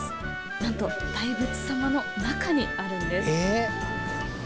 なんと大仏様の中にあるんです。